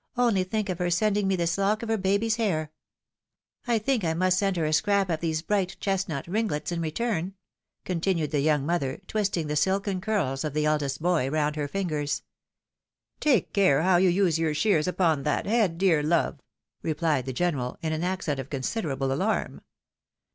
Only think of her sending me this look of her baby's hair ! I think I must send her a scrap of these bright chestnut ringlets in re turn," continued the young mother, twisting the silken curls of the eldest boy round her fingers. A WELCOME PRESENT. 37 " Take care how you use your shears upon that head, dear love !" replied the General, in an accent of considerable alarm.